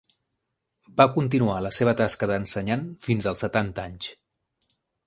Va continuar la seva tasca d'ensenyant fins als setanta anys.